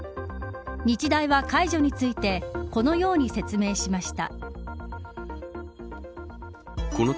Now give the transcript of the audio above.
日大は解除についてこのように説明しました。